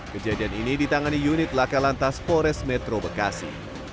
kejadian ini ditangani unit laka lantas pores metro bekasi